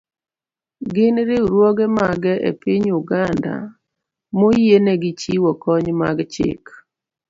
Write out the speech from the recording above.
Gin riwruoge mage e piny Uganda moyienegi chiwo kony mag chik?